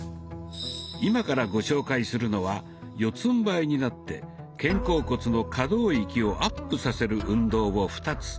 今からご紹介するのは四つんばいになって肩甲骨の可動域をアップさせる運動を２つ。